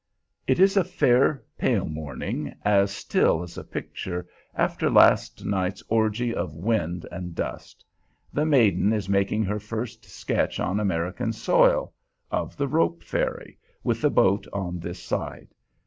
It is a fair, pale morning, as still as a picture, after last night's orgy of wind and dust. The maiden is making her first sketch on American soil of the rope ferry, with the boat on this side.